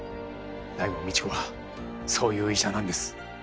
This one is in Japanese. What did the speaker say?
大門未知子はそういう医者なんです。